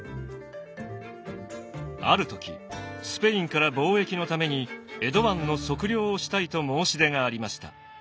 ある時スペインから貿易のために江戸湾の測量をしたいと申し出がありました。